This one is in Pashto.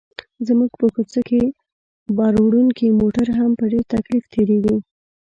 زموږ په کوڅه کې باروړونکي موټر هم په ډېر تکلیف تېرېږي.